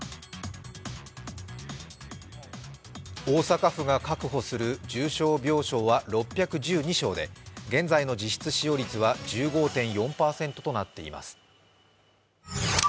大阪府が確保する重症病床は６１２床で現在の実質使用率は１５．４％となっています。